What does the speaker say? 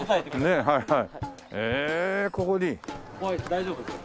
大丈夫ですか？